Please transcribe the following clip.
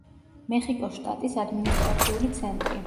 მეხიკოს შტატის ადმინისტრაციული ცენტრი.